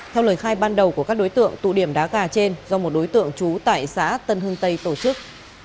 theo lời khai ban đầu của các đối tượng tụ điểm đá gà trên do một đối tượng trú tại xã tân hưng tây tổ chức